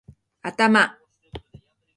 頭